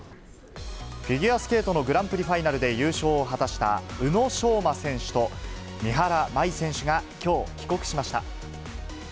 フィギュアスケートのグランプリファイナルで優勝を果たした宇野昌磨選手と、三原舞依選手がきょう、帰国しました。